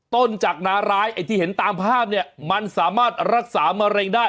ต้นจากนาร้ายไอ้ที่เห็นตามภาพเนี่ยมันสามารถรักษามะเร็งได้